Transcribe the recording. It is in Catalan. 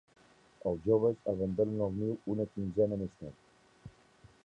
Els joves abandonen el niu una quinzena més tard.